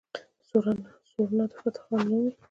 سورنا د فتح خان نه وي.